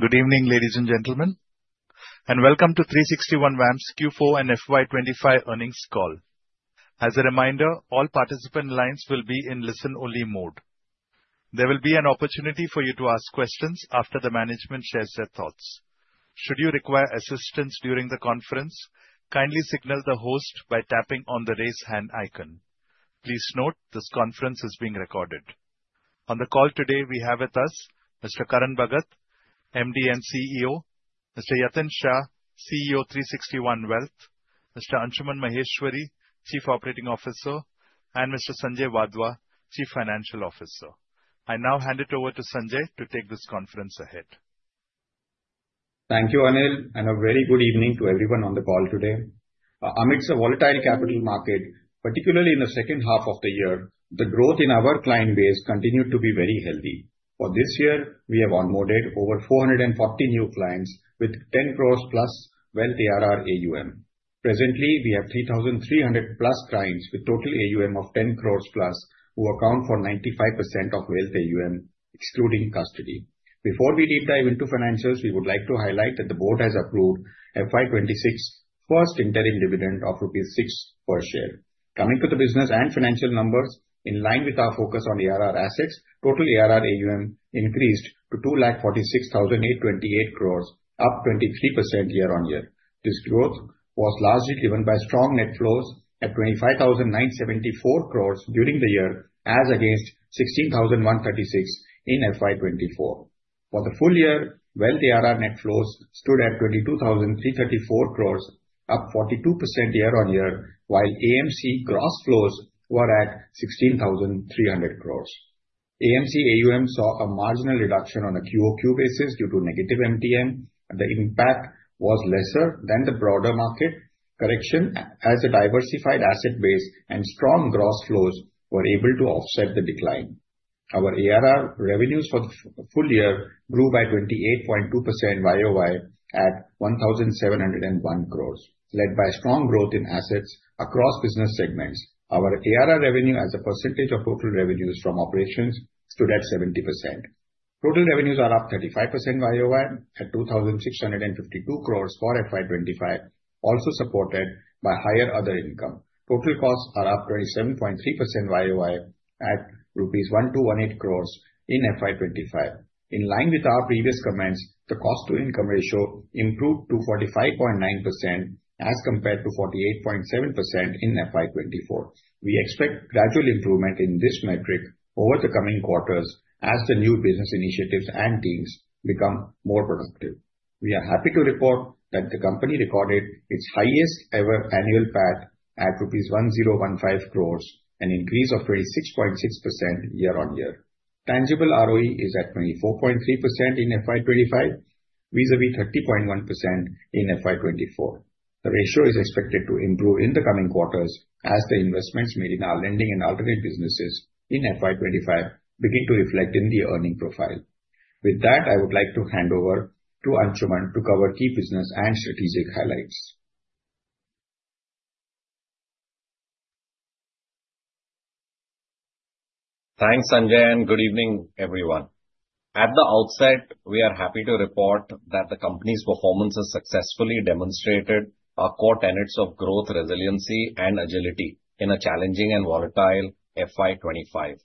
Good evening, ladies and gentlemen, and welcome to 360 ONE WAM's Q4 and FY2025 Earnings Call. As a reminder, all participant lines will be in listen only mode. There will be an opportunity for you to ask questions after the management shares their thoughts. Should you require assistance during the conference, kindly signal the host by tapping on the raise hand icon. Please note, this conference is being recorded. On the call today, we have with us Mr. Karan Bhagat, MD and CEO; Mr. Yatin Shah, CEO 360 ONE Wealth; Mr. Anshuman Maheshwary, Chief Operating Officer; and Mr. Sanjay Wadhwa, Chief Financial Officer. I now hand it over to Sanjay to take this conference ahead. Thank you, Anil, and a very good evening to everyone on the call today. Amidst a volatile capital market, particularly in the second half of the year, the growth in our client base continued to be very healthy. For this year, we have onboarded over 440 new clients with 10 crore plus Wealth ARR AUM. Presently, we have 3,300 plus clients with total AUM of 10 crore plus, who account for 95% of Wealth AUM, excluding custody. Before we deep dive into financials, we would like to highlight that the board has approved the FY 2026 first interim dividend of rupees 6 per share. Coming to the business and financial numbers, in line with our focus on ARR assets, total ARR AUM increased to 246,828 crore, up 23% year on year. This growth was largely driven by strong net flows at 25,974 crore during the year, as against 16,136 crore in financial year 2024. For the full year, Wealth ARR net flows stood at 22,334 crore, up 42% year on year, while AMC gross flows were at 16,300 crore. AMC AUM saw a marginal reduction on a QOQ basis due to negative MTM, and the impact was lesser than the broader market correction, as a diversified asset base and strong gross flows were able to offset the decline. Our ARR revenues for the full year grew by 28.2% YOY at 1,701 crore, led by strong growth in assets across business segments. Our ARR revenue, as a percentage of total revenues from operations, stood at 70%. Total revenues are up 35% YOY at 2,652 crore for FY 2025, also supported by higher other income. Total costs are up 27.3% YOY at rupees 1,218 crore in FY 2025. In line with our previous comments, the cost-to-income ratio improved to 45.9% as compared to 48.7% in FY 2024. We expect gradual improvement in this metric over the coming quarters, as the new business initiatives and teams become more productive. We are happy to report that the company recorded its highest-ever annual PAT at INR 1,015 crore, an increase of 26.6% year on year. Tangible ROE is at 24.3% in FY 2025, vis-à-vis 30.1% in FY 2024. The ratio is expected to improve in the coming quarters, as the investments made in our lending and alternate businesses in FY 2025 begin to reflect in the earning profile. With that, I would like to hand over to Anshuman to cover key business and strategic highlights. Thanks, Sanjay, and good evening, everyone. At the outset, we are happy to report that the company's performance has successfully demonstrated a core tenet of growth resiliency and agility in a challenging and volatile FY 2025.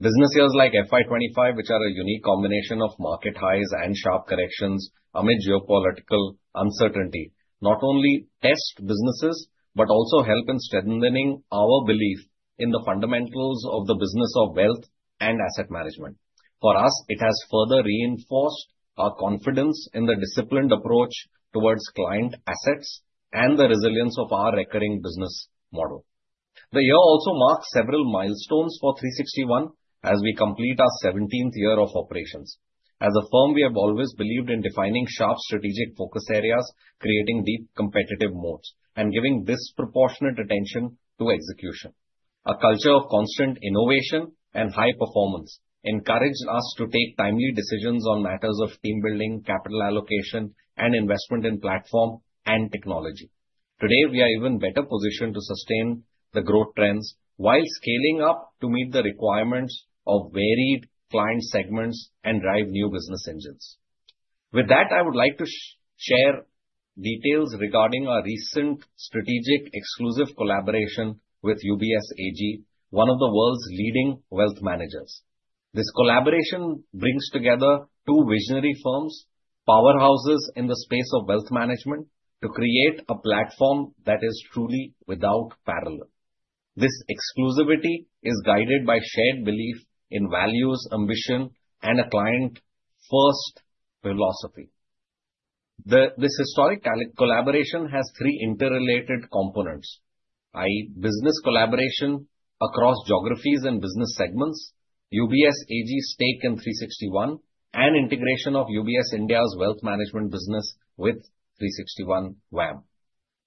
Business years like FY 2025, which are a unique combination of market highs and sharp corrections amid geopolitical uncertainty, not only test businesses but also help in strengthening our belief in the fundamentals of the business of wealth and asset management. For us, it has further reinforced our confidence in the disciplined approach towards client assets and the resilience of our recurring business model. The year also marks several milestones for 360 ONE as we complete our 17th year of operations. As a firm, we have always believed in defining sharp strategic focus areas, creating deep competitive moats, and giving disproportionate attention to execution. A culture of constant innovation and high performance encouraged us to take timely decisions on matters of team building, capital allocation, and investment in platform and technology. Today, we are in a better position to sustain the growth trends while scaling up to meet the requirements of varied client segments and drive new business engines. With that, I would like to share details regarding our recent strategic exclusive collaboration with UBS AG, one of the world's leading wealth managers. This collaboration brings together two visionary firms, powerhouses in the space of wealth management, to create a platform that is truly without parallel. This exclusivity is guided by shared belief in values, ambition, and a client-first philosophy. This historic collaboration has three interrelated components, i.e., business collaboration across geographies and business segments, UBS AG's stake in 360 One, and integration of UBS India's Wealth Management business with 360 One WAM.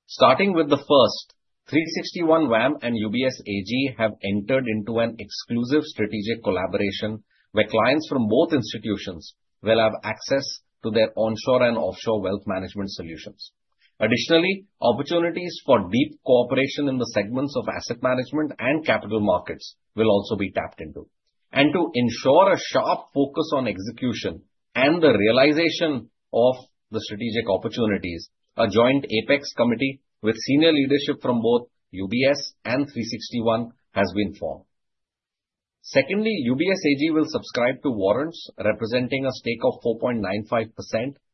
Starting with the first, 360 One WAM and UBS AG have entered into an exclusive strategic collaboration where clients from both institutions will have access to their onshore and offshore wealth management solutions. Additionally, opportunities for deep cooperation in the segments of asset management and capital markets will also be tapped into. And to ensure a sharp focus on execution and the realization of the strategic opportunities, a joint Apex committee with senior leadership from both UBS and 360 One has been formed. Secondly, UBS AG will subscribe to warrants representing a stake of 4.95%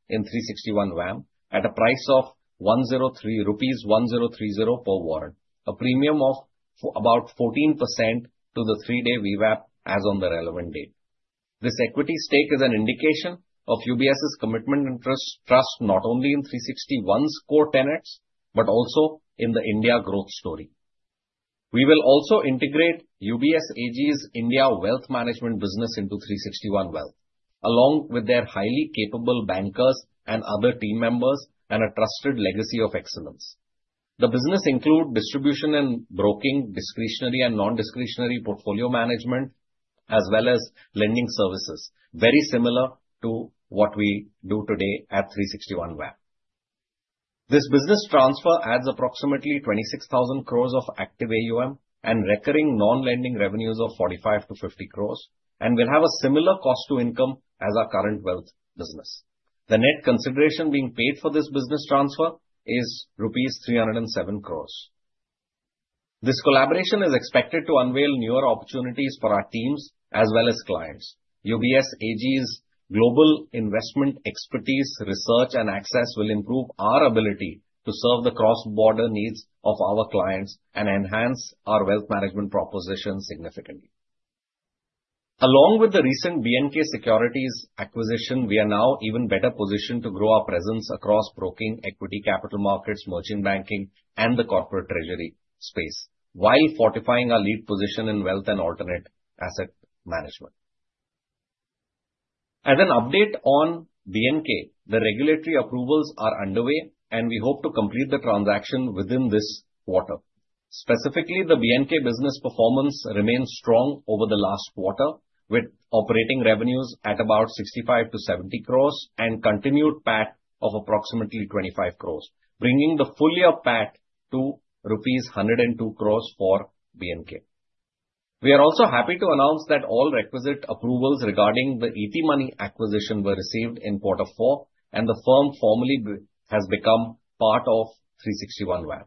in 360 One WAM at a price of 1,030.10 rupees per warrant, a premium of about 14% to the three day VWAP as on the relevant date. This equity stake is an indication of UBS's commitment and trust not only in 360 One's core tenets but also in the India growth story. We will also integrate UBS AG's India Wealth Management business into 360 One Wealth, along with their highly capable bankers and other team members and a trusted legacy of excellence. The business includes distribution and broking, discretionary and non-discretionary portfolio management, as well as lending services, very similar to what we do today at 360 One WAM. This business transfer adds approximately 26,000 crore of active AUM and recurring non-lending revenues of 45-50 crore, and will have a similar cost-to-income as our current Wealth business. The net consideration being paid for this business transfer is rupees 307 crore. This collaboration is expected to unveil newer opportunities for our teams as well as clients. UBS AG's global investment expertise, research, and access will improve our ability to serve the cross-border needs of our clients and enhance our Wealth Management propositions significantly. Along with the recent BNK Securities acquisition, we are now in a better position to grow our presence across broking, equity capital markets, merchant banking, and the corporate treasury space, while fortifying our lead position in wealth and alternate asset management. As an update on BNK, the regulatory approvals are underway, and we hope to complete the transaction within this quarter. Specifically, the BNK business performance remained strong over the last quarter, with operating revenues at about 65-70 crore and continued PAT of approximately 25 crore, bringing the full-year PAT to rupees 102 crore for BNK. We are also happy to announce that all requisite approvals regarding the ET Money acquisition were received in quarter four, and the firm formally has become part of 360 ONE WAM.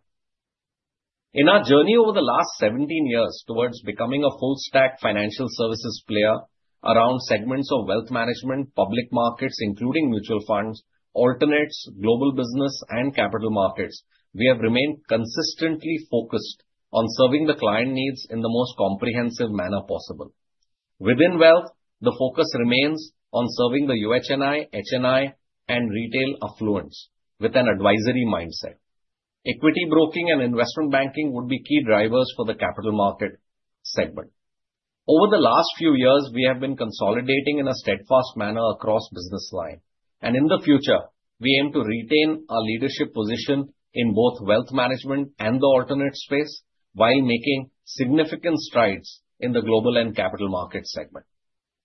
In our journey over the last 17 years towards becoming a full-stack financial services player around segments of wealth management, public markets, including mutual funds, alternates, global business, and capital markets, we have remained consistently focused on serving the client needs in the most comprehensive manner possible. Within Wealth, the focus remains on serving the UHNI, HNI, and retail affluence with an advisory mindset. Equity broking and investment banking would be key drivers for the capital market segment. Over the last few years, we have been consolidating in a steadfast manner across business lines, and in the future, we aim to retain our leadership position in both wealth management and the alternate space while making significant strides in the global and capital market segment.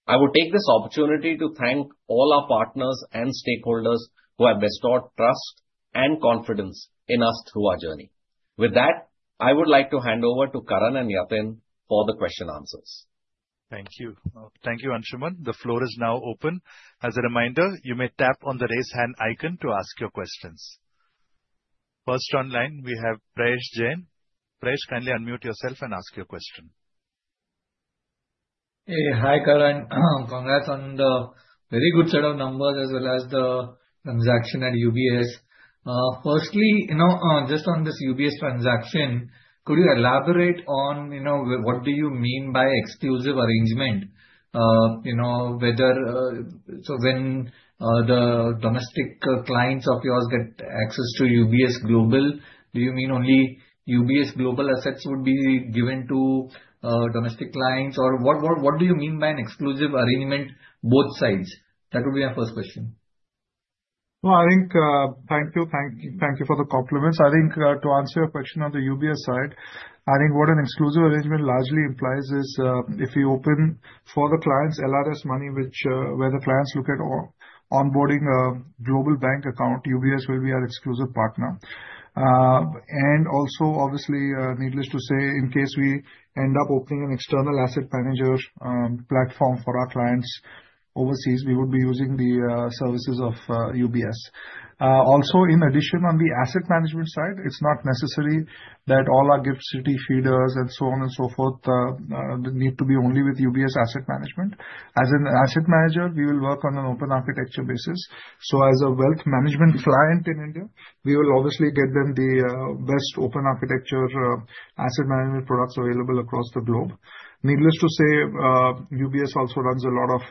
I would take this opportunity to thank all our partners and stakeholders who have bestowed trust and confidence in us through our journey. With that, I would like to hand over to Karan and Yatin for the question answers. Thank you. Thank you, Anshuman. The floor is now open. As a reminder, you may tap on the raise hand icon to ask your questions. First on line, we have Prayesh Jain. Prayesh, kindly unmute yourself and ask your question. Hey, hi, Karan. Congrats on the very good set of numbers as well as the transaction at UBS. Firstly, you know just on this UBS transaction, could you elaborate on you know what do you mean by exclusive arrangement? You know whether so when the domestic clients of yours get access to UBS Global, do you mean only UBS Global assets would be given to domestic clients, or what do you mean by an exclusive arrangement, both sides? That would be my first question. No I think thank you, thank you for the compliments. I think to answer your question on the UBS side, I think what an exclusive arrangement largely implies is if we open for the clients LRS money, where the clients look at onboarding a global bank account, UBS will be our exclusive partner. Also, obviously, needless to say, in case we end up opening an external Asset Manager platform for our clients overseas, we would be using the services of UBS. Also in addition, on the asset management side, it is not necessary that all our GIFT City feeders and so on and so forth need to be only with UBS Asset Management. As an asset manager, we will work on an open architecture basis. So as a wealth management client in India, we will obviously get them the best open architecture asset management products available across the globe. Needless to say, UBS also runs a lot of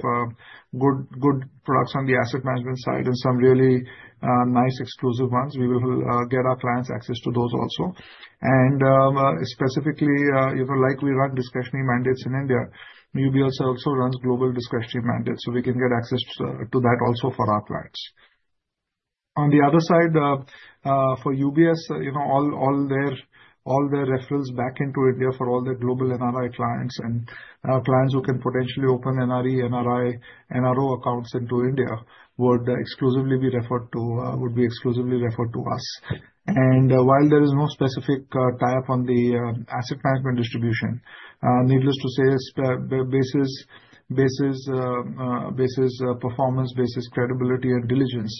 good products on the asset management side and some really nice exclusive ones. We will get our clients access to those also. And specifically, like we run discretionary mandates in India, UBS also runs global discretionary mandates, so we can get access to that also for our clients. On the other side, for UBS, you know all their referrals back into India for all their global NRI clients and clients who can potentially open NRE, NRI, NRO accounts into India would exclusively be referred to us. And while there is no specific tie-up on the asset management distribution, needless to say, basis basis basis performance basis, credibility, and diligence,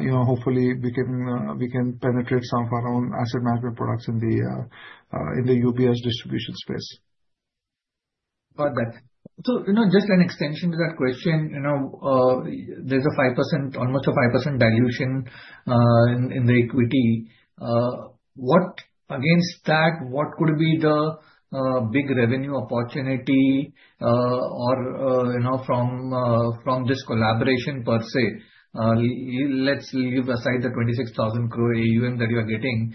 you know hopefully, we can penetrate some of our own asset management products in the UBS distribution space. Got that. So you know just an extension to that question, you know there's a 5% almost a 5% dilution in the equity. What against that, what could be the big revenue opportunity from you know this collaboration per se? Let's leave aside the 26,000 crore AUM that you are getting,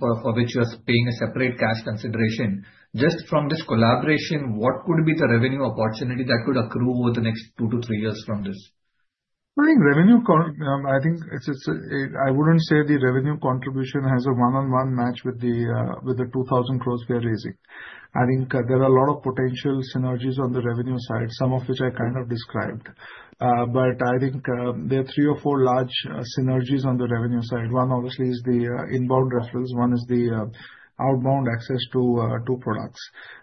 for which you are paying a separate cash consideration. Just from this collaboration, what could be the revenue opportunity that could accrue over the next two to three years from this? I think I wouldn't say the revenue contribution has a one-on-one match with the 2,000 crore we are raising. I think there are a lot of potential synergies on the revenue side, some of which I kind of described. But I think there are three or four large synergies on the revenue side. One, obviously, is the inbound referrals. One is the outbound access to products.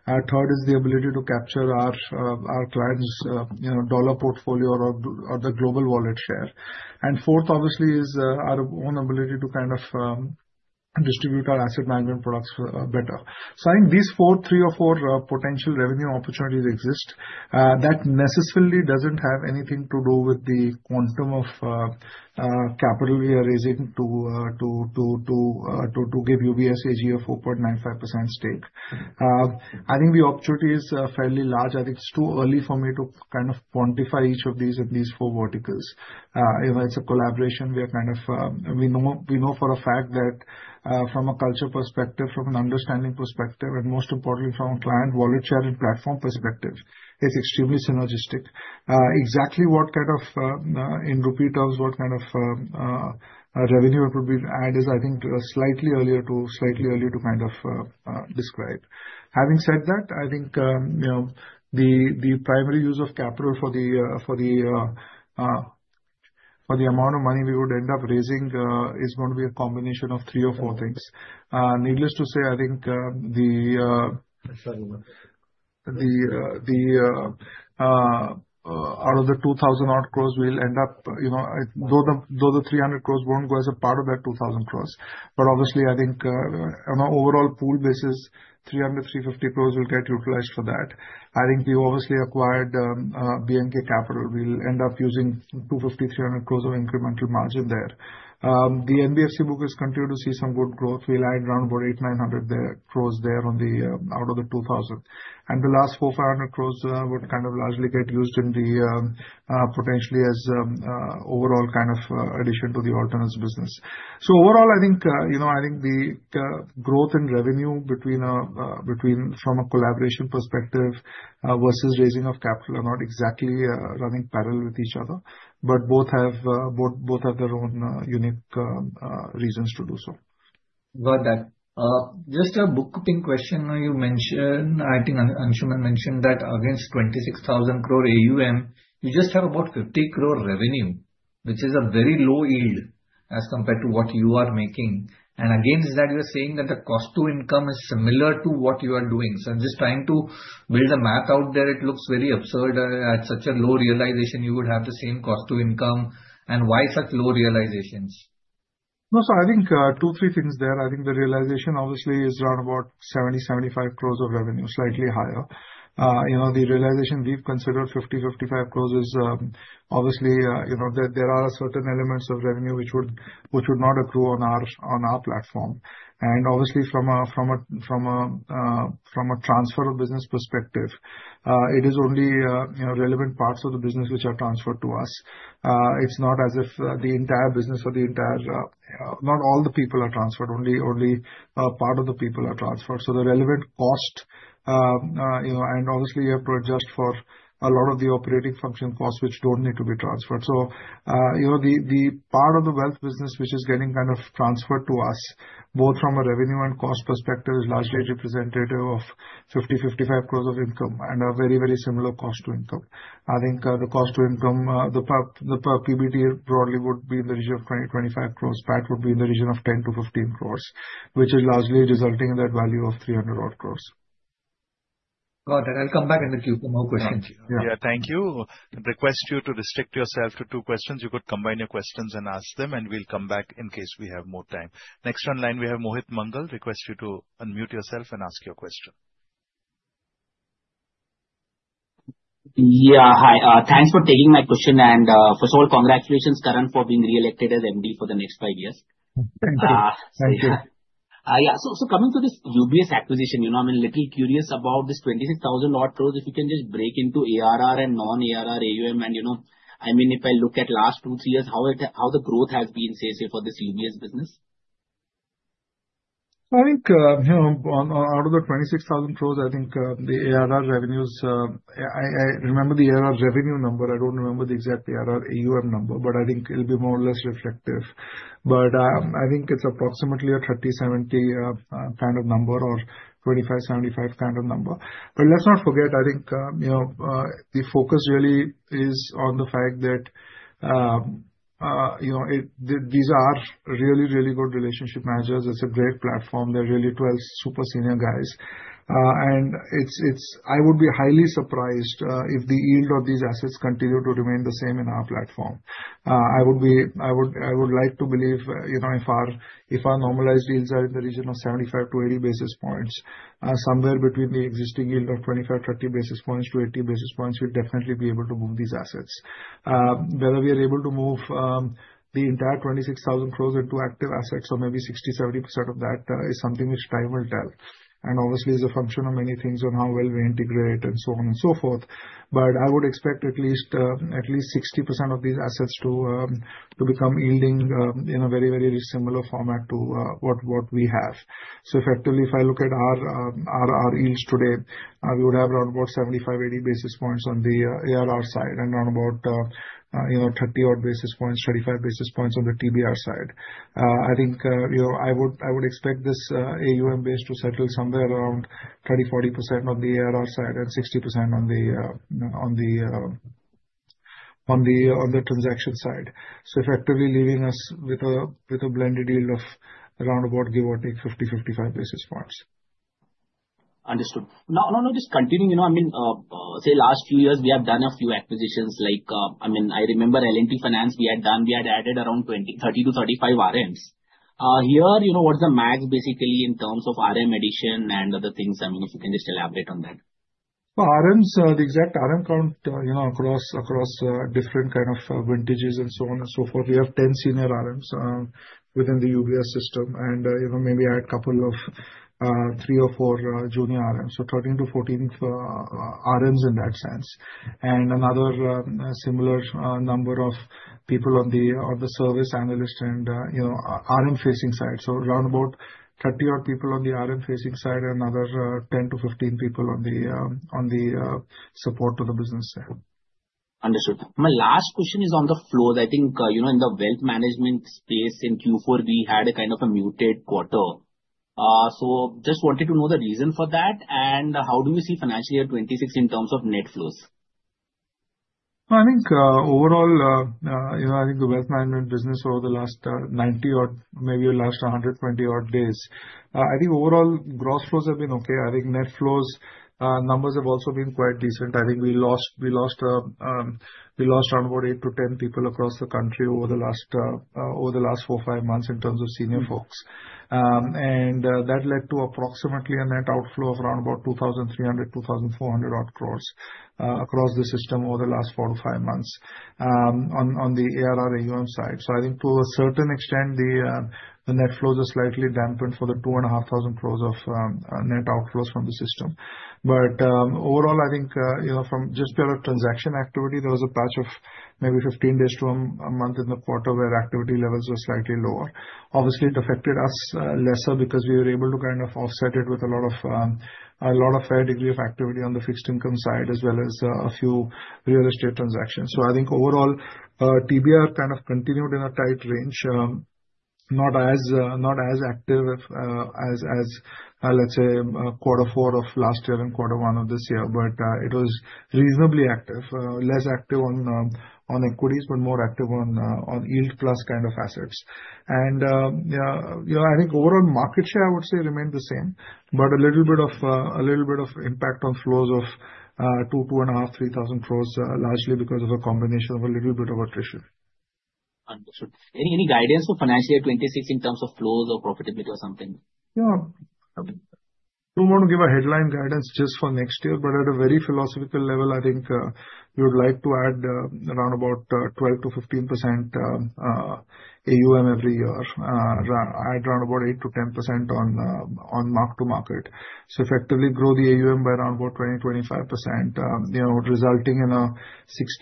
And third is the ability to capture our clients' you know dollar portfolio or the global wallet share. And fourth, obviously, is our own ability to kind of distribute our asset management products better. So I think these three or four potential revenue opportunities exist. That necessarily doesn't have anything to do with the quantum of capital we are raising to give UBS AG a 4.95% stake. I think the opportunity is fairly large. I think it's too early for me to kind of quantify each of these at least four verticals. You know it's a collaboration we are kind of we know for a fact that from a culture perspective, from an understanding perspective, and most importantly, from a client wallet share and platform perspective, it's extremely synergistic. Exactly what kind of, in INR terms, what kind of revenue it would be add is, I think, slightly earlier to kind of describe. Having said that, I think you know the primary use of capital for the amount of money we would end up raising is going to be a combination of three or four things. Needless to say, I think the the out of the 2,000 odd crores, we'll end up you know though the 300 crores won't go as a part of that 2,000 crores. But obviously, I think on an overall pool basis, 300-350 crore will get utilized for that. I think we obviously acquired BNK Capital. We'll end up using 250-300 crore of incremental margin there. The NBFC book has continued to see some good growth. We'll add around about 8,900 crore there out of the 2,000 crore. And the last 4,500 crore would kind of largely get used in the potentially as overall kind of addition to the alternates business. So overall, I think you know I think the growth in revenue between a, from a collaboration perspective versus raising of capital are not exactly running parallel with each other, but both have both have their own unique reasons to do so. Got that. Just a bookkeeping question where you mention I think Anshuman mentioned that against 26,000 crore AUM, you just have about 50 crore revenue, which is a very low yield as compared to what you are making. And against that, you are saying that the cost-to-income is similar to what you are doing. So just trying to build a math out there. It looks very absurd. At such a low realization, you would have the same cost-to-income. And why such low realizations? No Sir, I think two, three things there. I think the realization obviously is around 70-75 crore of revenue, slightly higher. You know the realization we have considered, 50-55 crore, is obviously you know there are certain elements of revenue which would not accrue on our platform. And obviously, from a transfer of business perspective, it is only you know relevant parts of the business which are transferred to us. It's not as if the entire business or all the people are transferred. Only a part of the people are transferred. So the relevant cost, you know and obviously, you have to adjust for a lot of the operating function costs which do not need to be transferred. So you know the part of the Wealth business which is getting kind of transferred to us, both from a revenue and cost perspective, is largely representative of 50-55 crore of income and a very, very similar cost-to-income. I think the cost-to-income, the per PBT broadly would be in the region of 20-25 crore. PAT would be in the region of 10-15 crore, which is largely resulting in that value of 300-odd crore. Got it. I'll come back in the queue for more questions. Yeah, thank you. Request you to restrict yourself to two questions. You could combine your questions and ask them, and we'll come back in case we have more time. Next on line, we have Mohit Mangal. Request you to unmute yourself and ask your question. Yeah, hi. Thanks for taking my question. And first of all, congratulations, Karan, for being re-elected as MD for the next five years. Thank you. Thank you. Yeah. Coming to this UBS acquisition, you know I'm a little curious about this 26,000 odd crores. If you can just break into ARR and non-ARR AUM, and you know I mean, if I look at last two, three years, how the growth has been, say, for this UBS business? I think out of the 26,000 crores, I think the ARR revenues, I remember the ARR revenue number. I do not remember the exact ARR AUM number, but I think it will be more or less reflective. But I think it is approximately a 30-70 kind of number or 25-75 kind of number. But let's not forget, I think you know you know the focus really is on the fact that these are really, really good relationship managers. It is a great platform. They are really 12 super senior guys. I would be highly surprised if the yield of these assets continued to remain the same in our platform. I would be I would like to believe if our normalized yields are in the region of 75-80 basis points, somewhere between the existing yield of 25-30 basis points to 80 basis points, we would definitely be able to move these assets. Whether we are able to move the entire 26,000 crore into active assets or maybe 60-70% of that is something which time will tell. And obviously, it's a function of many things on how well we integrate and so on and so forth. But I would expect at least 60% of these assets to become yielding in a very, very similar format to what we have. Effectively, if I look at our yields today, I would have around 75-80 basis points on the ARR side and round about 30 odd basis points 35 basis points on the TBR side. I think you know I would expect this AUM base to settle somewhere around 30-40% on the ARR side and 60% on the on the on the transaction side, so effectively leaving us with a blended yield of round about 50-55 basis points. Understood. Now, just continuing. I mean, say, last few years, we have done a few acquisitions. Like I mean, I remember L&T Finance, we had done, we had added around 30-35 RMs. Here, you know what's the math basically in terms of RM addition and other things? I mean, if you can just elaborate on that. No RMs, the exact RM count across different kind of vintages and so on and so forth. We have 10 senior RMs within the UBS system. And you know maybe add a couple of three or four junior RMs. So 13 to 14 RMs in that sense. And another similar number of people on the service analyst and you know RM-facing side. Round about 30-odd people on the RM-facing side and another 10-15 people on the support to the business side. Understood. My last question is on the flows. I think you know in the wealth management space in Q4, we had a kind of a muted quarter. So just wanted to know the reason for that. And how do you see financial year 2026 in terms of net flows? No I think overall, you know I think the wealth management business over the last 90 odd, maybe last 120 odd days, I think overall gross flows have been okay. I think net flows numbers have also been quite decent. I think we lost we lost we lost around about eight to ten people across the country over the last over the last four, five months in terms of senior folks. And that led to approximately a net outflow of around about 2,300-2,400 odd crore across the system over the last four to five months on the ARR AUM side. So I think to a certain extent, the net flows are slightly dampened for the 2,500 crore of net outflows from the system. But overall, I think from just pure transaction activity, there was a patch of maybe 15 days to a month in the quarter where activity levels were slightly lower. Obviously, it affected us lesser because we were able to kind of offset it with a lot of lot of higher degree of activity on the fixed income side as well as a few real estate transactions. So I think overall, TBR kind of continued in a tight range, not as active as, let's say, Q4 of last year and Q1 of this year. It was reasonably active, less active on equities, but more active on yield plus kind of assets. And you know I think overall market share, I would say, remained the same, but a little bit of little bit of impact on flows of 2,000-3,000 crore, largely because of a combination of a little bit of attrition. Understood. Any any guidance for financial year 2026 in terms of flows or profitability or something? Yeah. I don't want to give a headline guidance just for next year, but at a very philosophical level, I think we would like to add round about 12-15% AUM every year, add round about 8-10% on mark-to-market. So effectively grow the AUM by around about 20-25%, you know resulting in a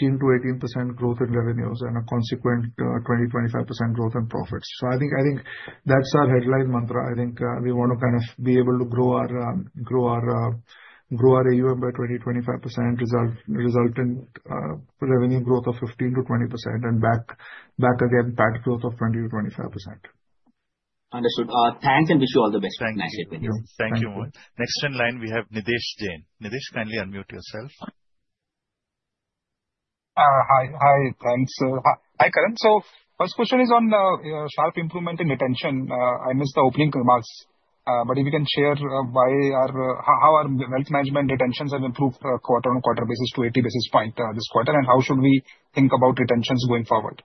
16-18% growth in revenues and a consequent 20-25% growth in profits. So I think I think that's our headline mantra. I think we want to kind of be able to grow our grow our grow our AUM by 20-25%, resultant revenue growth of 15-20%, and back again, PAT growth of 20-25%. Understood. Thanks, and wish you all the best. Thank you Mohit. Next in line, we have Nitesh Jain. Nitesh, kindly unmute yourself. Hi. Thanks. Hi, Karan. First question is on sharp improvement in retention. I missed the opening remarks. But if you can share how our wealth management retentions have improved on a quarter-on-quarter basis to 80 basis points this quarter, and how should we think about retentions going forward?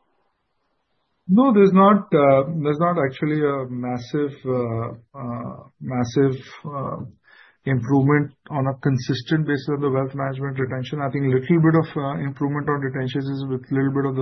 No, there's not there's not actually a massive massive improvement on a consistent basis on the wealth management retention. I think a little bit of improvement on retentions is with a little bit of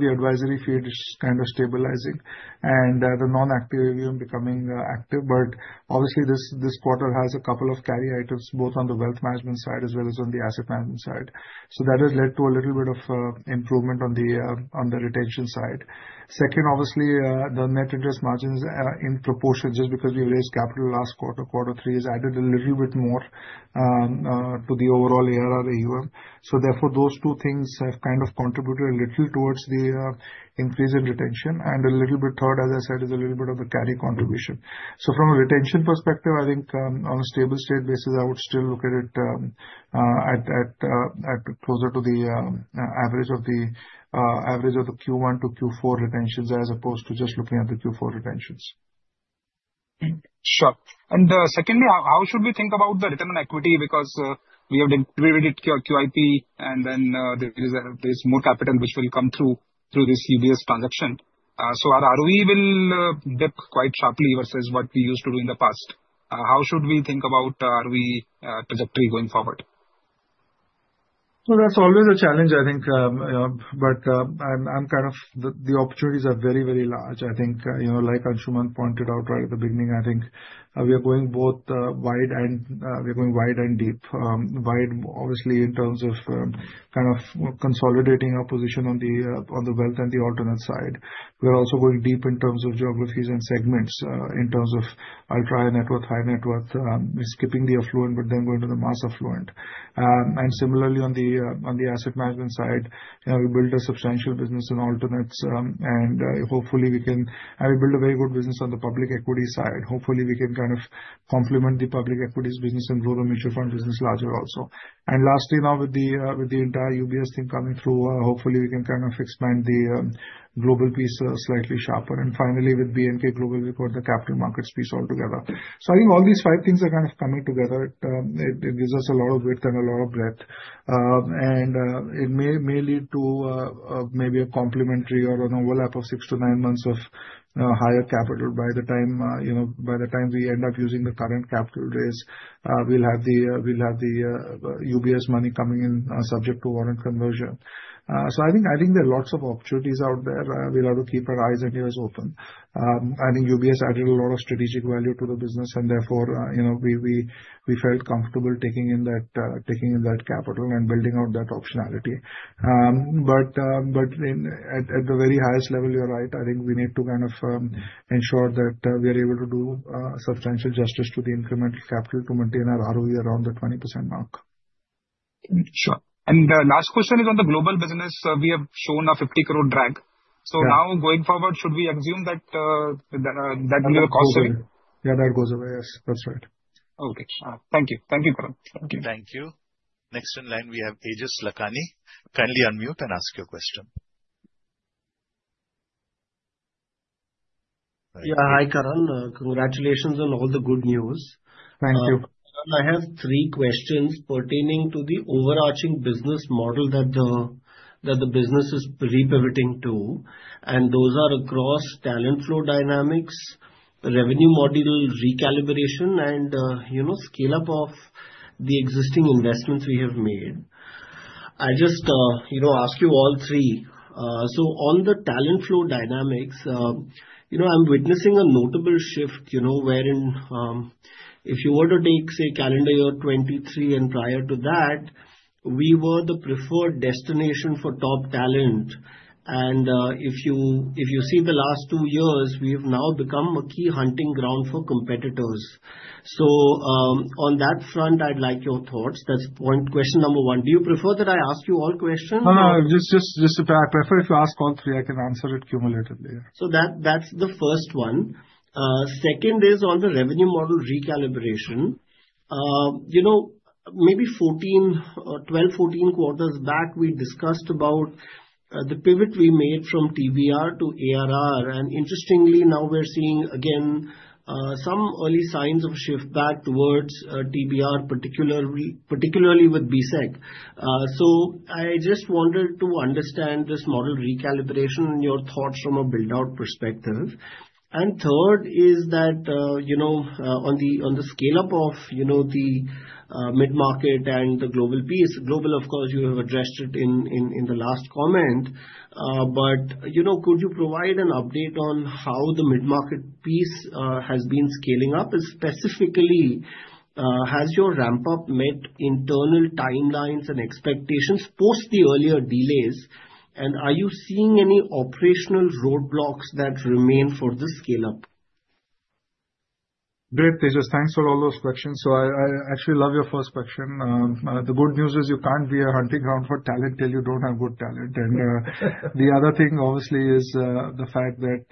the advisory fee kind of stabilizing and the non-active AUM becoming active. But obviously, this quarter has a couple of carry items both on the wealth management side as well as on the asset management side. So that has led to a little bit of improvement on the retention side. Second, obviously, the net interest margins in proportion, just because we raised capital last quarter, Q3 has added a little bit more to the overall ARR AUM. So therefore, those two things have kind of contributed a little towards the increase in retention. And a little bit third, as I said, is a little bit of the carry contribution. So from a retention perspective, I think on a stable state basis, I would still look at closer to the average of the Q1 to Q4 retentions as opposed to just looking at the Q4 retentions. Sure. And secondly, how should we think about the return on equity because we have depreciated QIP, and then there is more capital which will come through this UBS transaction? Our ROE will dip quite sharply versus what we used to do in the past. How should we think about ROE trajectory going forward? No, that's always a challenge, I think. I'm kind of the opportunities are very, very large. I think, you knoe like Anshuman pointed out right at the beginning, I think we are going both wide and we're going wide and deep. Wide, obviously, in terms of kind of consolidating our position on the Wealth and the alternate side. We're also going deep in terms of geographies and segments in terms of ultra-high net worth, high net worth, skipping the affluent, but then going to the mass affluent. And similarly, on the asset management side, we built a substantial business in alternates. And hopefully, we can build a very good business on the public equity side. Hopefully, we can kind of complement the public equities business and grow the mutual fund business larger also. And lastly, now with the entire UBS thing coming through, hopefully, we can kind of expand the global piece slightly sharper. And finally, with BNK Global report, the capital markets piece altogether. So I think all these five things are kind of coming together. It gives us a lot of width and a lot of breadth. And it may lead to maybe a complementary or an overlap of 6 to 9 months of higher capital. By the time you know by the time we end up using the current capital raise, we'll have the we'll have the UBS money coming in subject to warrant conversion. So I think I think there are lots of opportunities out there. And we'll have to keep our eyes and ears open. I think UBS added a lot of strategic value to the business, and therefore, you know we felt comfortable taking in that capital and building out that optionality. But but at the very highest level, you're right. I think we need to kind of ensure that we are able to do substantial justice to the incremental capital to maintain our ROE around the 20% mark. Sure. And last question is on the global business. We have shown a 50 crore drag. So now going forward, should we assume that will be a cost saving? Yeah, that goes away. Yes, that's right. Okay. Thank you. Thank you, Karan. Thank you. Next in line, we have Tejas Lakhani. Kindly unmute and ask your question. Yeah, hi, Karan. Congratulations on all the good news. Thank you. I have three questions pertaining to the overarching business model that the that the business is re-pivoting to. And those are across talent flow dynamics, revenue model recalibration, and you know scale-up of the existing investments we have made. I just you know ask you all three. So on the talent flow dynamics, you know I'm witnessing a notable shift wherein if you were to take, say, calendar year 2023 and prior to that, we were the preferred destination for top talent. And if you see the last two years, we have now become a key hunting ground for competitors. So on that front, I'd like your thoughts. That's question number one. Do you prefer that I ask you all questions? No, no. Just if I prefer if you ask all three, I can answer it cumulatively. So that's the first one. Second is on the revenue model recalibration. Maybe 12-14 quarters back, we discussed about the pivot we made from TBR to ARR. And interestingly, now we are seeing again some early signs of a shift back towards TBR, particularly with. So I just wanted to understand this model recalibration and your thoughts from a build-out perspective. And third is that on the scale-up of you know the mid-market and the global piece, global, of course, you have addressed it in the last comment. But you know could you provide an update on how the mid-market piece has been scaling up? And specifically, has your ramp-up met internal timelines and expectations post the earlier delays? And are you seeing any operational roadblocks that remain for the scale-up? Great, Tejas. Thanks for all those questions. So I actually love your first question. The good news is you can't be a hunting ground for talent until you don't have good talent. And the other thing, obviously, is the fact that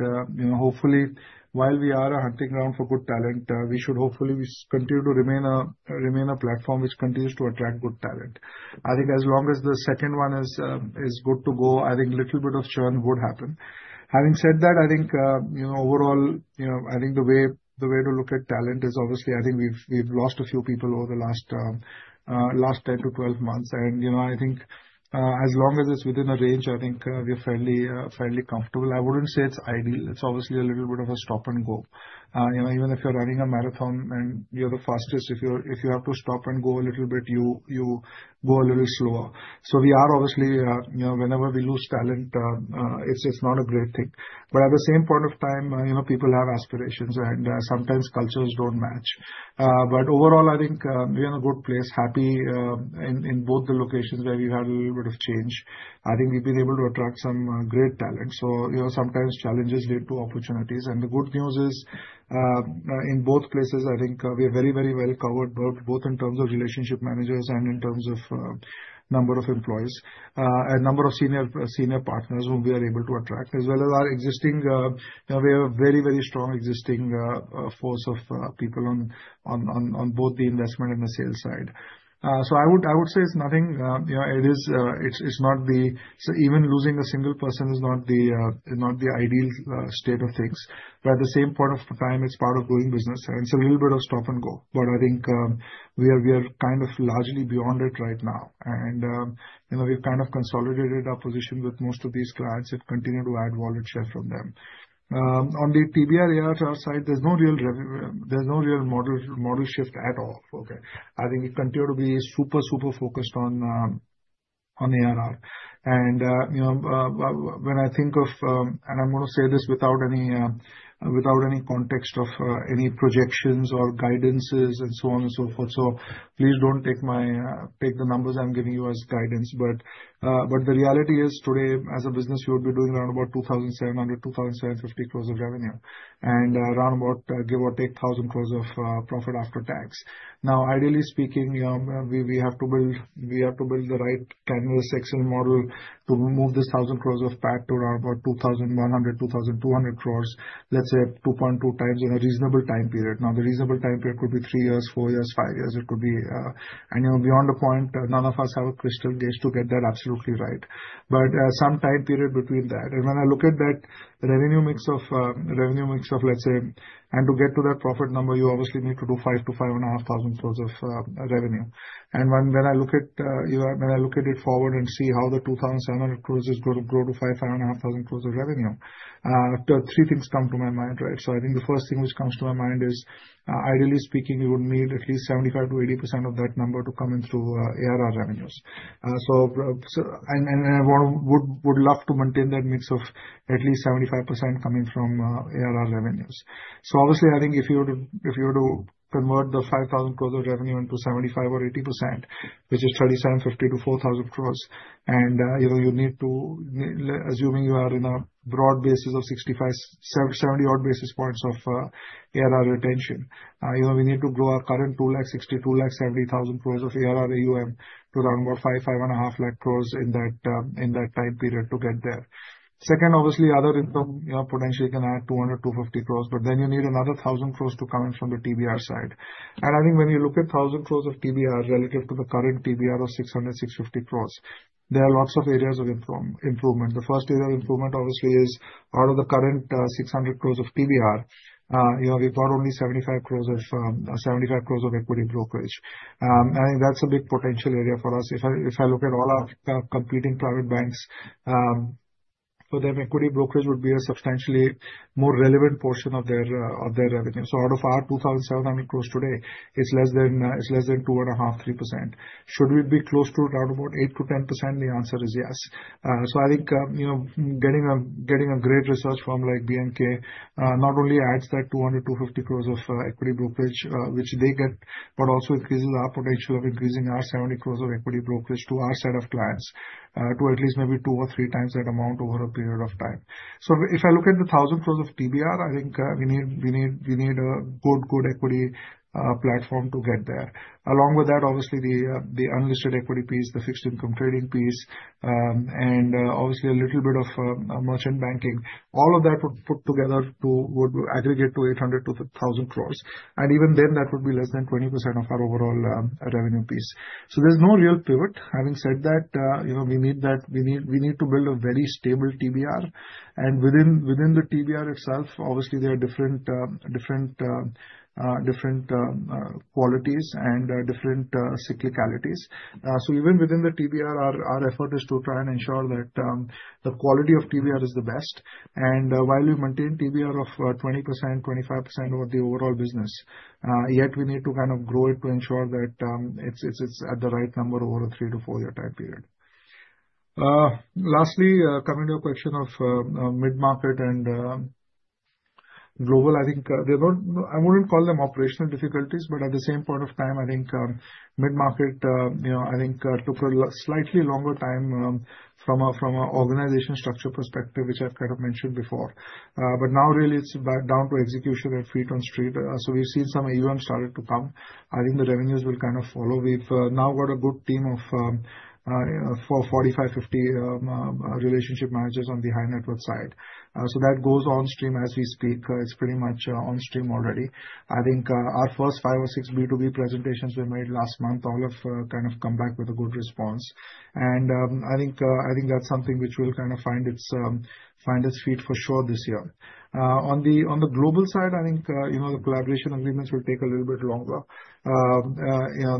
hopefully, while we are a hunting ground for good talent, we should hopefully continue to remain a platform which continues to attract good talent. I think as long as the second one is good to go, I think a little bit of churn would happen. Having said that, I think you know overall, you know the way to look at talent is obviously, I think we've lost a few people over the last last 10 to 12 months. I think as long as it's within a range, I think we're fairly comfortable. I wouldn't say it's ideal. It's obviously a little bit of a stop and go. Even if you're running a marathon and you're the fastest, if you have to stop and go a little bit, you go a little slower. So we are obviously, you know whenever we lose talent, it's just not a great thing. At the same point of time, people have aspirations, and sometimes cultures don't match. Overall, I think we're in a good place, happy in both the locations where we've had a little bit of change. I think we've been able to attract some great talent. So you know sometimes challenges lead to opportunities. The good news is in both places, I think we're very, very well covered, both in terms of relationship managers and in terms of number of employees and number of senior partners who we are able to attract, as well as our existing—we have a very, very strong existing force of people on both the investment and the sales side. So I would say it's nothing. You know it is it's not the even losing a single person is not the ideal state of things. But at the same point of time, it's part of growing business, and it's a little bit of stop and go. But I think we are kind of largely beyond it right now, and you know we've kind of consolidated our position with most of these clients. We've continued to add wallet share from them. On the TBR ARR side, there's no real revenue there's no real model shift at all. I think we continue to be super, super super focused on ARR. And you know when I think of, and I am going to say this without any context of any projections or guidances and so on and so forth, please do not take my take the numbers I am giving you as guidance. But the reality is today, as a business, we would be doing round about 2,700-2,750 crore of revenue and round about, give or take, 1,000 crore of profit after tax. Now, ideally speaking, we have to build we have to build the right canvas Excel model to move this 1,000 crore of PAT to around 2,100-2,200 crore, let us say 2.2 times, in a reasonable time period. Now the reasonable time period could be three years, four years, five years. It could be I know beyond a point. None of us have a crystal gaze to get that absolutely right. But some time period between that. When I look at that revenue mix of, revenue mix of let's say, and to get to that profit number, you obviously need to do 5,000-5,500 crore of revenue. And when I look at it forward and see how the 2,700 crore is going to grow to 5,000-5,500 crore of revenue, three things come to my mind, right? So I think the first thing which comes to my mind is, ideally speaking, you would need at least 75%-80 of that number to come in through ARR revenues. So I would love to maintain that mix of at least 75% coming from ARR revenues. So obviously, I think if you were to convert the 5,000 crore of revenue into 75% or 80%, which is 3,750-4,000 crore, and you know you need to, assuming you are in a broad basis of 70-odd basis points of ARR retention, you know we need to grow our current 260,000-270,000 crore of ARR AUM to around about 500,000-550,000 crore in that time period to get there. Second, obviously, other income potentially can add 200-250 crore, but then you need another 1,000 crore to come in from the TBR side. And I think when you look at 1,000 crore of TBR relative to the current TBR of 600-650 crore, there are lots of areas of improvement. The first area of improvement, obviously, is out of the current 600 crore of TBR, we have got only 75 crore 75 crore of equity brokerage. And I think that's a big potential area for us. If I look at all our competing private banks, for them, equity brokerage would be a substantially more relevant portion of their revenue. Out of our 2,700 crore today, it's less than 2.5-3%. Should we be close to around 8-10%? The answer is yes. So I think you know getting a great research firm like BNK not only adds that 200-250 crore of equity brokerage, which they get, but also increases our potential of increasing our 70 crore of equity brokerage to our set of clients to at least maybe two or three times that amount over a period of time. So If I look at the 1,000 crore of TBR, I think we need we need we need a good good equity platform to get there. Along with that, obviously the, the unlisted equity piece, the fixed income trading piece, and obviously a little bit of merchant banking, all of that would put together to aggregate to 800-1,000 crore. And even then, that would be less than 20% of our overall revenue piece. So there is no real pivot. Having said that, we need we need to build a very stable TBR. And within within within the TBR itself, obviously, there are different different different qualities and different cyclicalities. So even within the TBR, our effort is to try and ensure that the quality of TBR is the best. And while we maintain TBR of 20% 25% of the overall business, yet we need to kind of grow it to ensure that it is at the right number over a three to four year time period. Lastly, coming to your question of mid-market and global, I think I would not call them operational difficulties, but at the same point of time, I think mid-market, you know I think, took a slightly longer time from an organization structure perspective, which I have kind of mentioned before. But now, really, it is back down to execution and feet on street. So we've seen some AUM started to come. I think the revenues will kind of follow. We have now got a good team of 45-50 relationship managers on the high net worth side. So that goes on stream as we speak. It is pretty much on stream already. I think our first five or six B2B presentations we made last month all have kind of come back with a good response. And I think that is something which will kind of find its feet for sure this year. On the global side, I think the collaboration agreements will take a little bit longer. You kow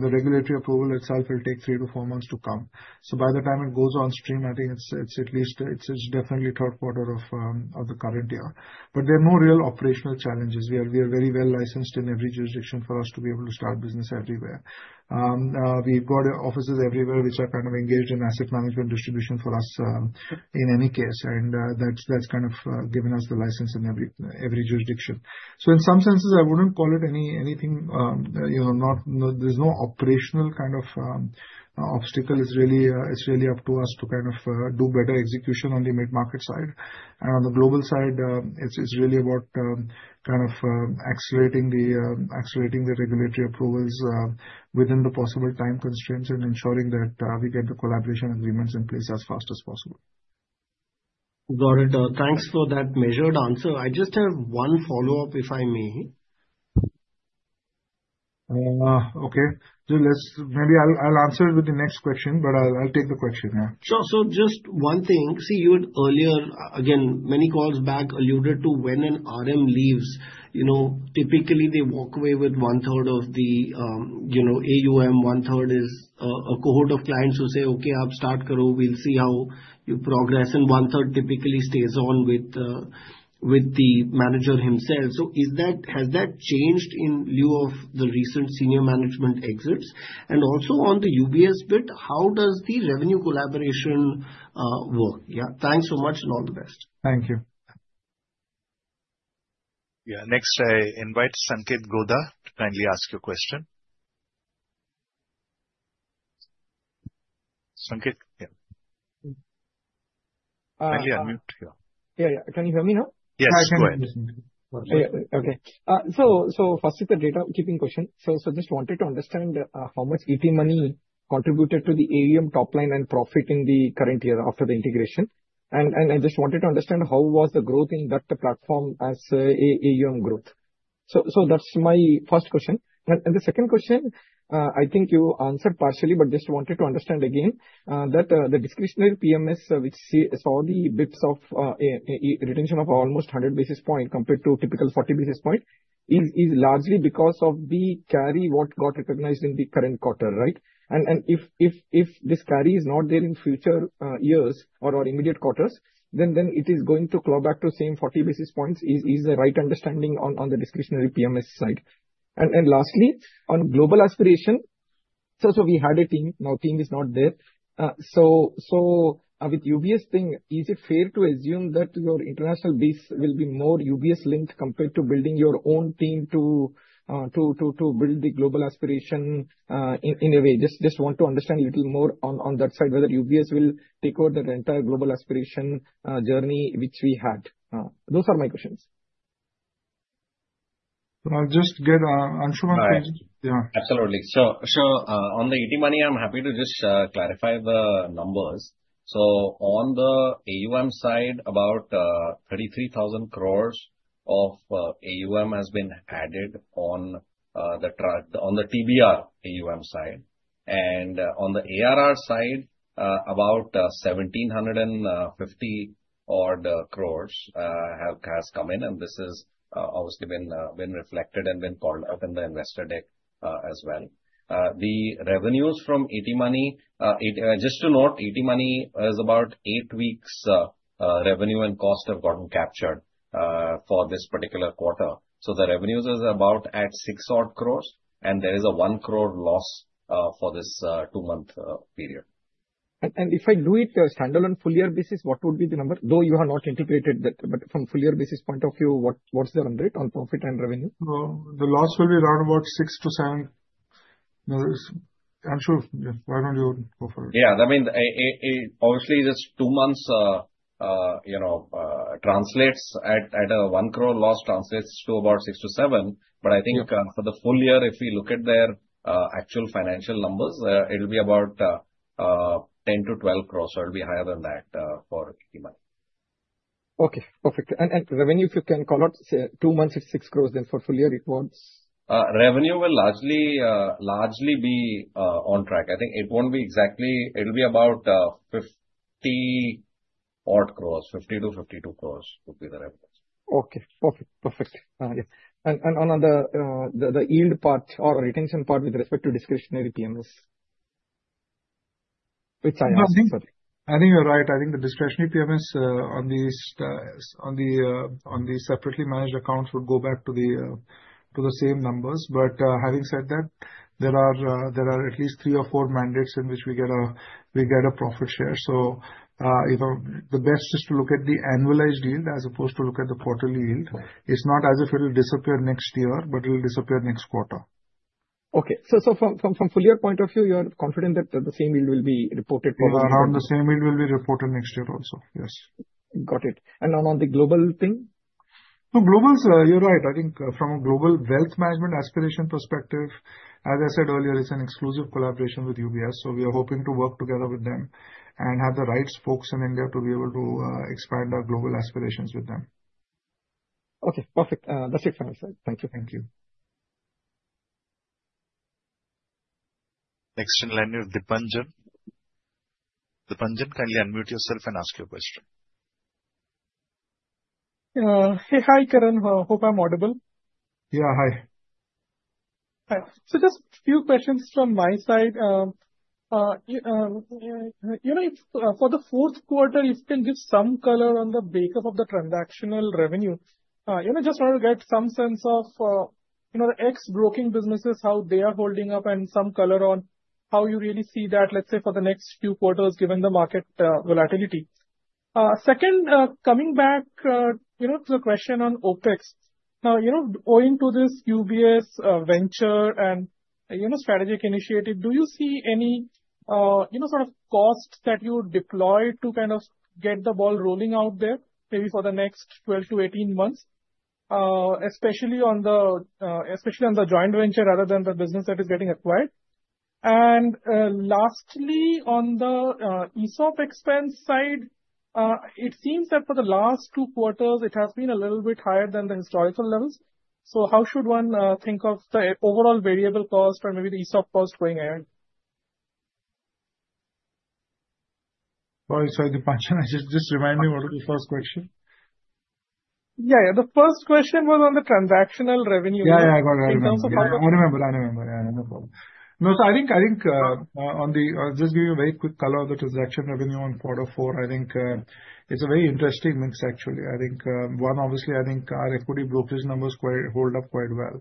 the regulatory approval itself will take three to four months to come. By the time it goes on stream, I think it's at least definitely Q3 of the current year. But there are no real operational challenges. We are very well licensed in every jurisdiction for us to be able to start business everywhere. We've got offices everywhere which are kind of engaged in asset management distribution for us in any case. And that's that's kind of given us the license in every jurisdiction. So in some senses, I wouldn't call it anything, you know there's no operational kind of obstacle. It's really it's really up to us to do better execution on the mid-market side. And on the global side, it's really about kind of accelerating the accelerating the regulatory approvals within the possible time constraints and ensuring that we get the collaboration agreements in place as fast as possible. Got it. Thanks for that measured answer. I just have one follow-up, if I may. Okay. Maybe I'll answer it with the next question, but I'll take the question. Yeah. So so just one thing. See, you had earlier, again, many calls back alluded to when an RM leaves. You know typically, they walk away with one-third of the AUM. One-third is a cohort of clients who say, "Okay, aap start karo, we'll see how you progress." One-third typically stays on with with the manager himself. So is that has that changed in lieu of the recent senior management exits? And also, on the UBS bit, how does the revenue collaboration work? Yeah. Thanks so much and all the best. Thank you. Yeah. Next, I invite Sanketh Godha to kindly ask you a question. Sankit, yeah. Kindly unmute here. Yeah, yeah. Can you hear me now? Yes, go ahead. Okay. So so first is the data keeping question. So just wanted to understand how much ET Money contributed to the AUM top line and profit in the current year after the integration. And I just wanted to understand how was the growth in that platform as AUM growth. So that's my first question. And the second question, I think you answered partially, but I just wanted to understand again that the discretionary PMS, which saw the bits of retention of almost 100 basis points compared to typical 40 basis points, is largely because of the carry what got recognized in the current quarter, right? And if if if this carry is not there in future years or immediate quarters, then then it is going to claw back to the same 40 basis points. Is that the right understanding on the discretionary PMS side? And and lastly, on global aspiration, we had a team. Now, team is not there. With UBS thing, is it fair to assume that your international base will be more UBS-linked compared to building your own team to to to build the global aspiration in a way? Just just want to understand a little more on that side, whether UBS will take over the entire global aspiration journey which we had. Those are my questions. Just get Anshuman please. Yeah. Absolutely. So so on the ET Money, I'm happy to just clarify the numbers. So on the AUM side, about 33,000 crore of AUM has been added on the TBR AUM side. And on the ARR side, about 1,750 odd crore has come in. And this is has obviously been reflected and been called up in the investor deck as well. The revenues from ET Money, just to note, ET Money has about eight weeks revenue and cost have gotten captured for this particular quarter. So the revenues is about at 6 crore, and there is a 1 crore loss for this two-month period. And if I do it standalone full-year basis, what would be the number? Though you have not integrated that, but from full-year basis point of view, what's the 100 on profit and revenue? The loss will be around about six to seven. Anshuman, why don't you go for it? Yeah. I mean, obviously, just two months you know translates at a 1 crore loss translates to about 6-7 crore. But I think for the full year, if we look at their actual financial numbers, it will be about 10-12 crore, so it'll be higher than that for ET Money. Okay. Perfect. And revenue, if you can call out, say, two months, it is 6 crore, then for full year, it was? Revenue will largely largely be on track. I think it won't be exactly, it'll be about 50 odd crore, 50-52 crore would be the revenue. Okay. Perfect. Perfect. Yeah. And on on the yield part or retention part with respect to discretionary PMS, which I asked. I think you're right. I think the discretionary PMS on the on the onthe separately managed accounts would go back to the same numbers. But having said that, there are there are at least three or four mandates in which we get a profit share. So you know the best is to look at the annualized yield as opposed to look at the quarterly yield. It's not as if it will disappear next year, but it will disappear next quarter. Okay. So from from from full year point of view, you're confident that the same yield will be reported probably? Yeah. Around the same yield will be reported next year also. Yes. Got it. On the global thing? Global, you're right. I think from a global wealth management aspiration perspective, as I said earlier, it's an exclusive collaboration with UBS. So we are hoping to work together with them and have the right spokes in India to be able to expand our global aspirations with them. Okay. Perfect. That's it from my side. Thank you. Thank you. Next in line is Dipanjan. Dipanjan, kindly unmute yourself and ask your question. Hey, hi, Karan. Hope I'm audible. Yeah, hi. Hi. Just few questions from my side. You know for the Q4, if you can give some color on the breakup of the transactional revenue, just want to get some sense of you know the ex-broking businesses, how they are holding up, and some color on how you really see that, let's say, for the next few quarters, given the market volatility. Second, coming back you know to the question on OpEx. Now, you know owing to this UBS venture and you know strategic initiative, do you see any you know sort of cost that you would deploy to kind of get the ball rolling out there, maybe for the next 12-18 months, especially on the especially on the joint venture rather than the business that is getting acquired? And lastly, on the ESOP expense side, it seems that for the last two quarters, it has been a little bit higher than the historical levels. So how should one think of the overall variable cost or maybe the ESOP cost going ahead? Sorry, Dipanjan, just just remind me what was the first question. Yeah, yeah. The first question was on the transactional revenue. Yeah, yeah, I got it. I remember. I remember. Yeah, no problem. No, I think I think on the just give you a very quick color of the transaction revenue on quarter four. I think it's a very interesting mix, actually. I think one, obviously, I think our equity brokerage numbers hold up quite well.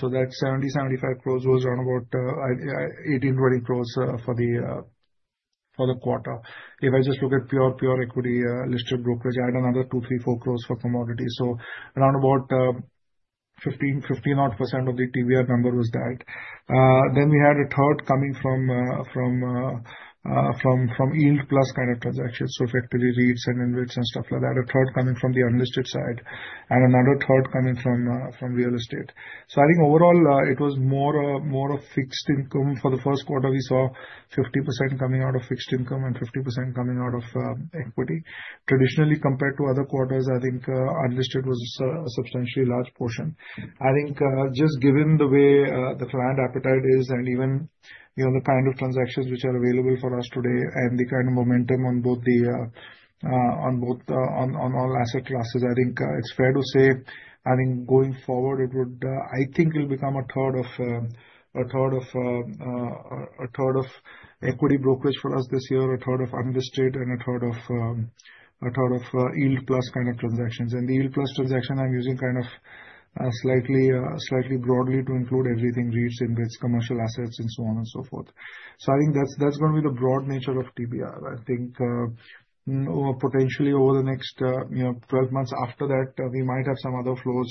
So that 70-75 crore was around about 18-20 crore for the quarter. If I just look at pure equity listed brokerage, I had another INR 2-3-4 crore for commodities. So round about 15% of the TBR number was that. Then we had a third coming from from from from yield plus kind of transactions. So effectively, REITs and InvITs and stuff like that. A third coming from the unlisted side. And another third coming from from real estate. So I think overall, it was more more of fixed income. For the Q1, we saw 50% coming out of fixed income and 50% coming out of equity. Traditionally, compared to other quarters, I think unlisted was a substantially large portion. I think just given the way the client appetite is and even you know the kind of transactions which are available for us today and the kind of momentum on both the on both the on all asset classes, I think it's fair to say, I think going forward, it would it'll become a third of a third of a third of equity brokerage for us this year, a third of unlisted, and a third of a third of yield plus kind of transactions. And the yield plus transaction, I'm using kind of slightly slightly broadly to include everything: REITs, inverts, commercial assets, and so on and so forth. So I think that's going to be the broad nature of TBR. I think potentially over the next you know 12 months after that, we might have some other flows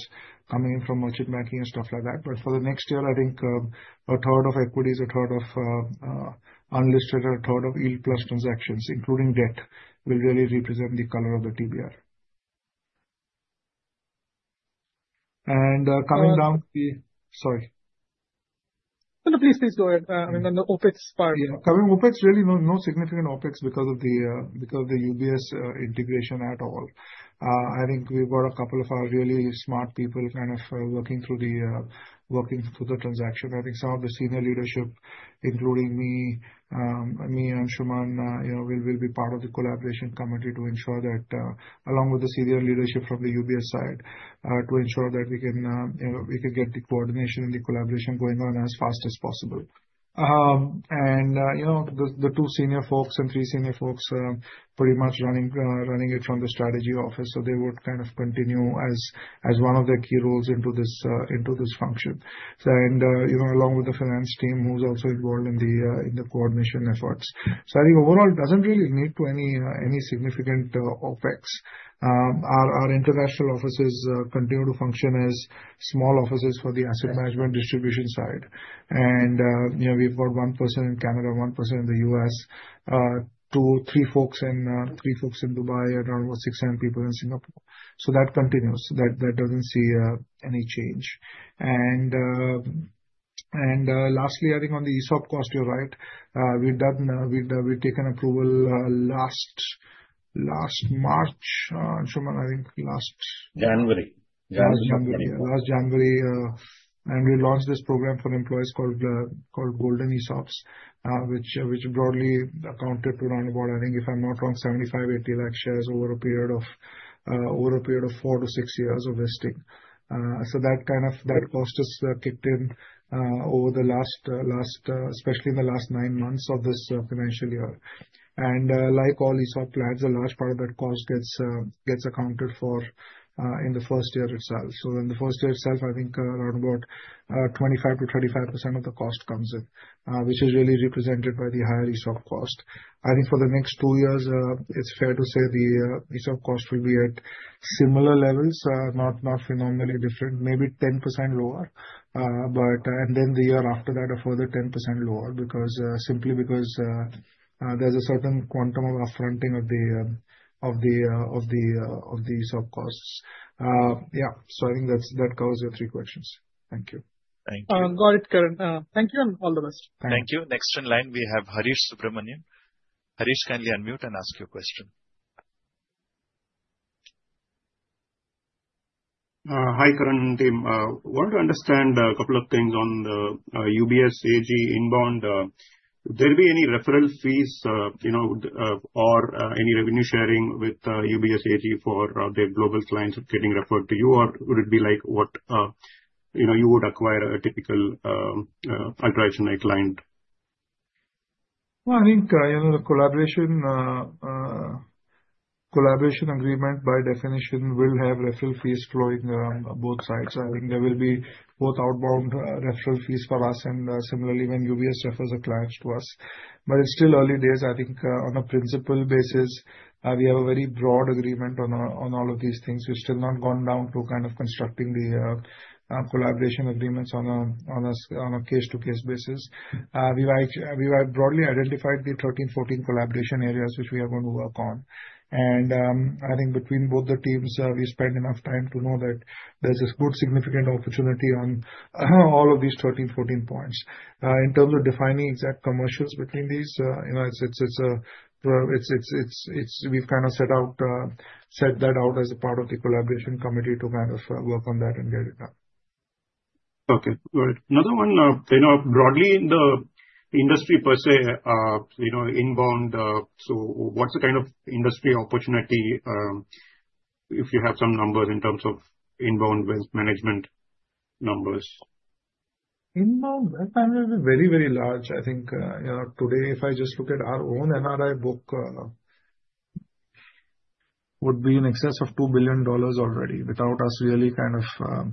coming in from merchant banking and stuff like that. But for the next year, I think a third of equities, a third of unlisted, a third of yield plus transactions, including debt, will really represent the color of the TBR. And coming down to the— Sorry. No, no, please, please go ahead. I mean, on the OpEx part. Yeah. Coming to OpEx, really no significant OpEx because of the because of the UBS integration at all. I think we've got a couple of our really smart people kind of working through the working through the transaction. I think some of the senior leadership, including me, Anshuman, you know will be part of the collaboration committee to ensure that, along with the senior leadership from the UBS side, to ensure that we can you know we can get the coordination and the collaboration going on as fast as possible. And you know the two senior folks and three senior folks pretty much running it from the strategy office. So they would kind of continue as one of the key roles into this into this function, and you know along with the finance team who's also involved in the coordination efforts. So I think overall, it does not really lead to any significant OpEx. Our our international offices continue to function as small offices for the asset management distribution side. And you know we have got one person in Canada, one person in the US, two or three folks in Dubai, around six or seven people in Singapore. So that continues. That does'nt see any change. And lastly, I think on the ESOP cost, you are right. We have done we've taken approval last last March. Anshuman, I think last— January. Last January. And we launched this program for employees called Golden ESOPs, which which broadly accounted to around about, I think, if I'm not wrong, 7.5-8.0 million shares over a period of over a period of four to six years of listing. So that kind of that cost has kicked in over the last last, especially in the last nine months of this financial year. And like all ESOP plans, a large part of that cost gets accounted for in the first year itself. In the first year itself, I think around about 25-35% of the cost comes in, which is really represented by the higher ESOP cost. I think for the next two years, it is fair to say the ESOP cost will be at similar levels, not phenomenally different, maybe 10% lower. But and then the year after that, a further 10% lower because simply because there's a certain quantum of upfronting of the of the of the ESOP costs. Yeah. So I think that covers your three questions. Thank you. Thank you. Got it, Karan. Thank you and all the best. Thank you. Next in line, we have Harish Subramanian. Harish, kindly unmute and ask your question. Hi, Karan and team. I want to understand a couple of things on the UBS AG inbound. Would there be any referral fees you know or any revenue sharing with UBS AG for the global clients getting referred to you, or would it be like what you know you would acquire a typical transactionary client? Well I think the collaboration agreement by definition will have referral fees flowing around both sides. I think there will be both outbound referral fees for us and similarly when UBS refers a client to us. But It's still early days. I think on a principal basis, we have a very broad agreement on all of these things. We have still not gone down to kind of constructing the collaboration agreements on a on a case-to-case basis. We have broadly identified the 13-14 collaboration areas which we are going to work on. I think between both the teams, we spent enough time to know that there's a good significant opportunity on all of these 13-14 points. In terms of defining exact commercials between these, you know it's it's it's it's it's its it's it's we've kind of set out set that out as a part of the collaboration committee to kind of work on that and get it done. Okay. Got it. Another one, you know broadly in the industry per se, inbound, so what's the kind of industry opportunity if you have some numbers in terms of inbound wealth management numbers? Inbound wealth management is very, very large. I think you know today, if I just look at our own NRI book, would be in excess of $2 billion already without us really kind of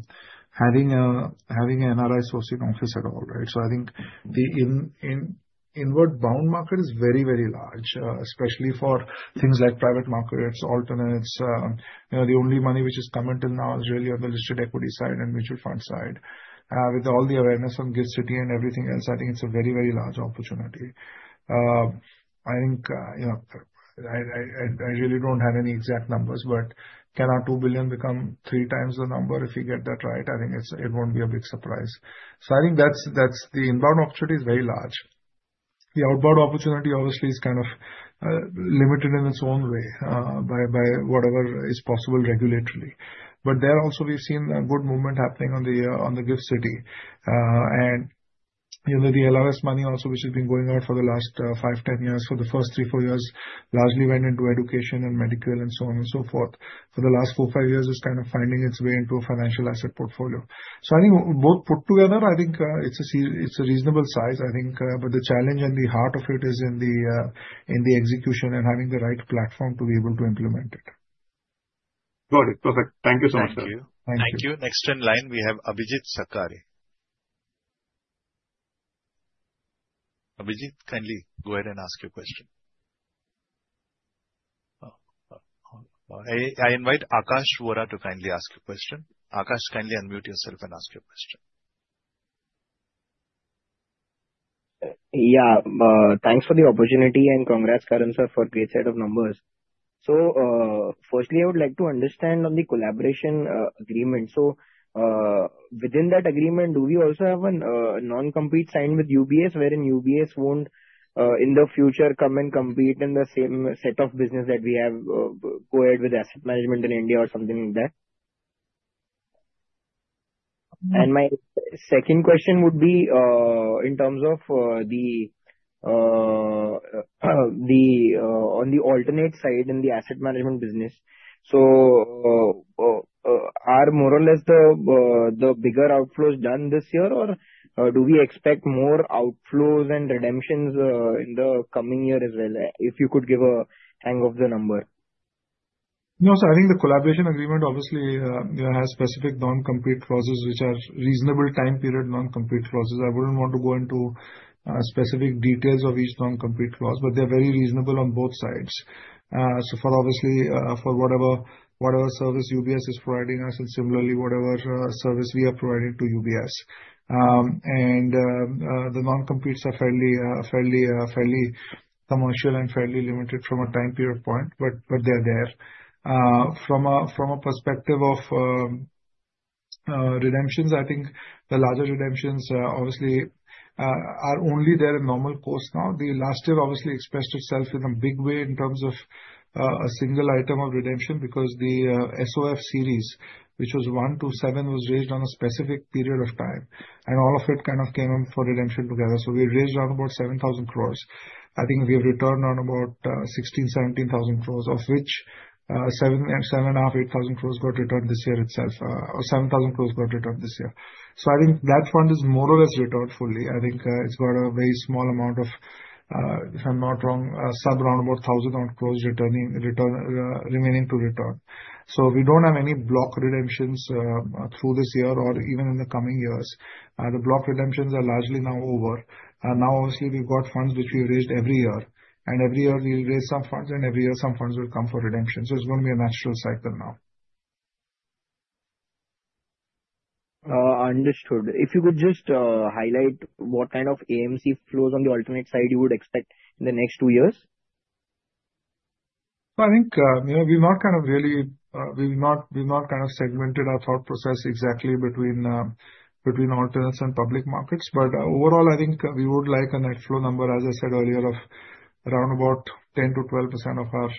having an NRI sourcing office at all, right? So I think the the inward bound market is very, very large, especially for things like private markets, alternates. The only money which has come until now is really on the listed equity side and mutual fund side. With all the awareness on GIFT City and everything else, I think it's a very, very large opportunity. I think you know I really don't have any exact numbers, but can our $2 billion become three times the number if we get that right? I think it won't be a big surprise. So I think that's that's the inbound opportunity is very large. The outbound opportunity, obviously, is kind of limited in its own way by whatever is possible regulatorily. But there also, we've seen a good movement happening on the GIFT City. And the LRS money also, which has been going out for the last 5-10 years, for the first three-four years, largely went into education and medical and so on and so forth. For the last four, five years, it's kind of finding its way into a financial asset portfolio. So I think both put together, I think it's a reasonable size, I think. But the challenge and the heart of it is in the execution and having the right platform to be able to implement it. Got it. Perfect. Thank you so much. Thank you. Next in line, we have Abhijit Sakhare. Abhijit, kindly go ahead and ask your question. I invite Akash Vora to kindly ask your question. Akash, kindly unmute yourself and ask your question. Yeah. Thanks for the opportunity and congrats, Karan sir, for a great set of numbers. So firstly, I would like to understand on the collaboration agreement. So within that agreement, do we also have a non-compete signed with UBS, wherein UBS won't, in the future, come and compete in the same set of business that we have co-ed with asset management in India or something like that? And my second question would be in terms of the the on the alternate side in the asset management business. So are more or less the bigger outflows done this year, or do we expect more outflows and redemptions in the coming year as well? If you could give a hang of the number. No, I think the collaboration agreement obviously has specific non-compete clauses, which are reasonable time period non-compete clauses. I would not want to go into specific details of each non-compete clause, but they are very reasonable on both sides. So obviously, for whatever service UBS is providing us and similarly, whatever service we are providing to UBS. And the non-competes are fairly fairly fairly commercial and fairly limited from a time period point, but they are there. From a perspective of redemptions, I think the larger redemptions obviously are only there in normal course now. The last year obviously expressed itself in a big way in terms of a single item of redemption because the SOF series, which was 1 to 7, was raised on a specific period of time. All of it kind of came up for redemption together. We raised around 7,000 crore. I think we have returned around 16,000-17,000 crore, of which 7,000-8,000 crore got returned this year itself, or 7,000 crore got returned this year. So I think that fund is more or less returned fully. I think it has got a very small amount of, if I am not wrong, some round about 1,000 crore remaining to return. So we do not have any block redemptions through this year or even in the coming years. As the block redemptions are largely now over. And now obviously, we have got funds which we have raised every year. And every year, we will raise some funds, and every year, some funds will come for redemption. So It's going to be a natural cycle now. Understood. If you could just highlight what kind of AMC flows on the alternate side you would expect in the next two years? I think we've not kind of really—we've not kind of segmented our thought process exactly between between alternates and public markets. But overall, I think we would like a net flow number, as I said earlier, of round about 10-12% of our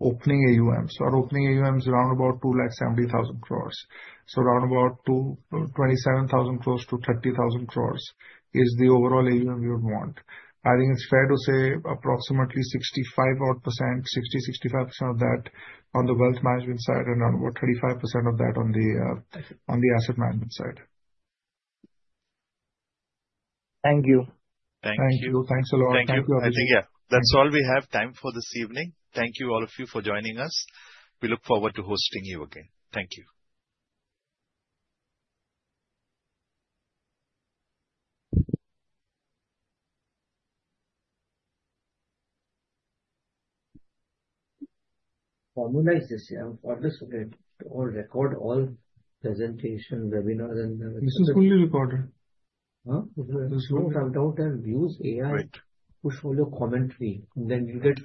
opening AUMs. Our opening AUM is round about 270,000 crore. So round about 27,000-30,000 crore is the overall AUM we would want. I think it's fair to say approximately 65% odd 60-65% of that on the wealth management side and around 35% of that on the asset management side. Thank you. Thank you. Thank you. Thanks a lot. Thank you, Abhijit. Yeah. That's all we have time for this evening. Thank you, all of you, for joining us. We look forward to hosting you again. Thank you. Formulize this participant to all record, all presentation, webinars and.. This is fully recorded. Huh? This is recorded. Don't have AI to follow comment me. Then you get.